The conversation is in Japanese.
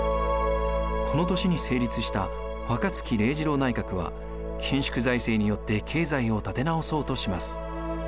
この年に成立した若槻礼次郎内閣は緊縮財政によって経済を立て直そうとします。